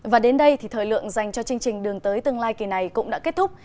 và đến đây thì thời lượng dành cho chương trình đường tới tương lai kỳ này cũng đã kết thúc